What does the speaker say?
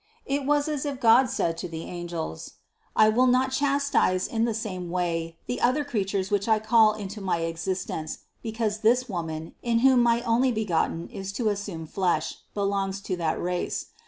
It was as if God said to the angels : I will not chastise in the same way the other creatures which I call into my existence, because this Woman, in whom my Onlybegotten is to assume flesh, belongs to that race.